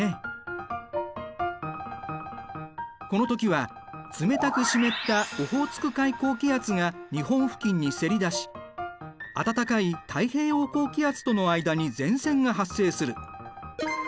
この時は冷たく湿ったオホーツク海高気圧が日本付近にせり出し暖かい太平洋高気圧との間に前線が発生する。